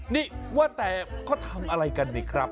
นี่ว่าแต่เขาทำอะไรกันนี่ครับ